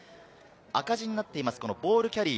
赤字になっています、ボールキャリー。